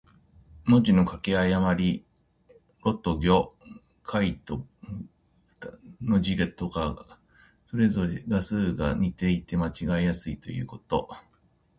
文字の書き誤り。「魯」と「魚」、「亥」と「豕」の字とが、それぞれ字画が似ていて間違えやすいということ。